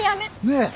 ねえ。